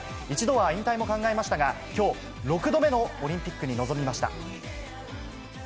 一度は引退も考えましたが、きょう、６度目のオリンピックに臨みました。